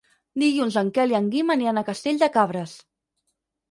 Dilluns en Quel i en Guim aniran a Castell de Cabres.